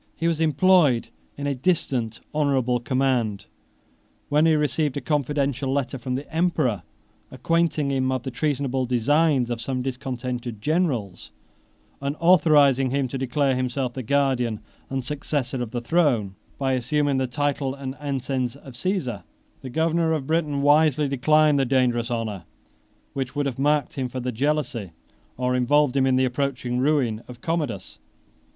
He was employed in a distant honorable command, when he received a confidential letter from the emperor, acquainting him of the treasonable designs of some discontented generals, and authorizing him to declare himself the guardian and successor of the throne, by assuming the title and ensigns of Cæsar. 18 The governor of Britain wisely declined the dangerous honor, which would have marked him for the jealousy, or involved him in the approaching ruin, of Commodus.